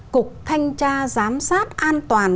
phục thanh tra giám sát an toàn